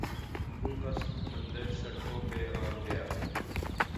لوگوں کا سمندر سڑکوں پہ امڈآیا۔